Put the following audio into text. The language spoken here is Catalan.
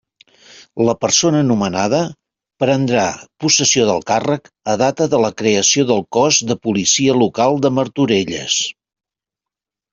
La persona nomenada prendrà possessió del càrrec a data de la creació del cos de Policia Local de Martorelles.